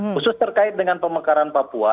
khusus terkait dengan pemekaran papua